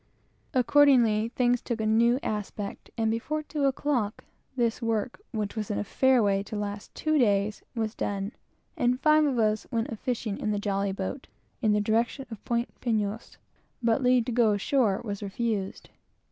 Accordingly, things took a new aspect; and before two o'clock this work, which was in a fair way to last two days, was done; and five of us went a fishing in the jolly boat, in the direction of Point Pinos; but leave to go ashore was refused.